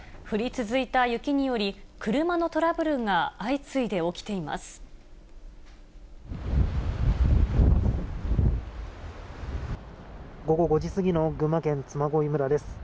降り続いた雪により、車のトラブルが相次いで起きています。